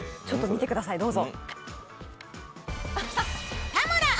ちょっと見てください。